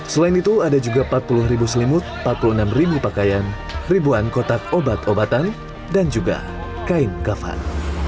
selain itu ada juga empat puluh ribu selimut empat puluh enam pakaian ribuan kotak obat obatan dan juga kain kafan